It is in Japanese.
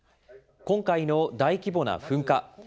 今回の大規模な噴火。